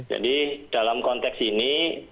jadi dalam konteks ini